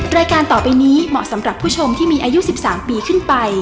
รายการต่อไปนี้เหมาะสำหรับผู้ชมที่มีอายุ๑๓ปีขึ้นไป